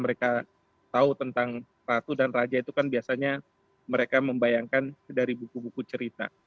mereka tahu tentang ratu dan raja itu kan biasanya mereka membayangkan dari buku buku cerita